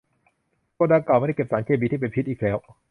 โกดังเก่าไม่ได้เก็บสารเคมีที่เป็นพิษอีกแล้ว